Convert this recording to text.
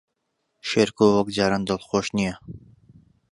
شێرکۆ وەک جاران دڵخۆش نییە.